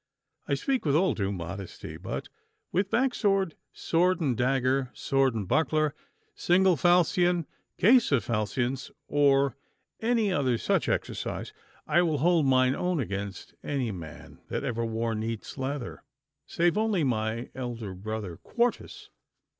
I speak with all due modesty, but with backsword, sword and dagger, sword and buckler, single falchion, case of falchions, or any other such exercise, I will hold mine own against any man that ever wore neat's leather, save only my elder brother Quartus.